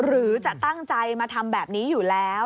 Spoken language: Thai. หรือจะตั้งใจมาทำแบบนี้อยู่แล้ว